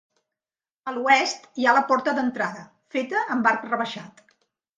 A l'oest hi ha la porta d'entrada, feta amb arc rebaixat.